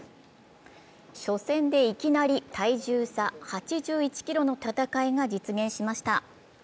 初戦でいきなり体重差８１ｋｇの戦いが実現しました。